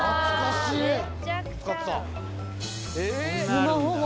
スマホも。